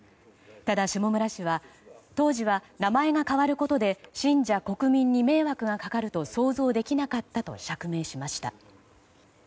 ただ、下村氏は当時は名前が変わることで信者、国民に迷惑がかかると想像できなかったと釈明しました。